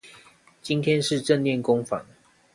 今天是正念工坊